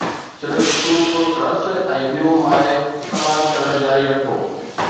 صرف سوپ، رس، ۽ ٻيون مائع استعمال ڪرڻ جاري رکو